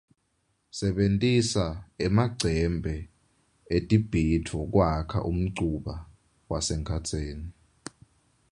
Sebentisa emacembe etibhidvo kwakha umcuba wasengadzeni.